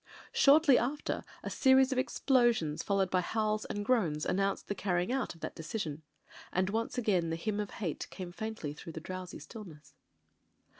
Shortly after a series of explosions, followed by howls and groans, announced the carrying out of that de cision. And once again the Hymn of Hate came faintly through the drowsy stillness.